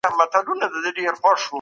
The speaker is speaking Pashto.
ما د خپل توان په اندازه مرسته کړې ده.